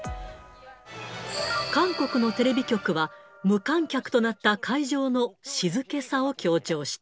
韓国のテレビ局は、無観客となった会場の静けさを強調した。